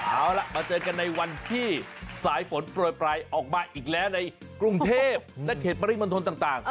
เอาล่ะมาเจอกันในวันที่สายฝนโปรยปลายออกมาอีกแล้วในกรุงเทพและเขตปริมณฑลต่าง